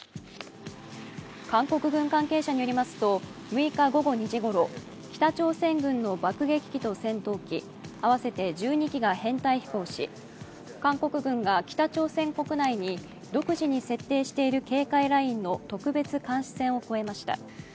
韓国軍関係者によりますと６日午後２時ごろ、北朝鮮軍の爆撃機と戦闘機、合わせて１２機が編隊飛行し、韓国軍が北朝鮮国内に独自に設定している警戒ラインの特別監視線を越えました。